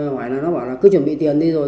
họ bảo là cứ chuẩn bị tiền đi rồi